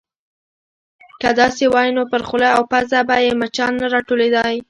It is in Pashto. _که داسې وای، نو پر خوله او پزه به يې مچان نه راټولېدای.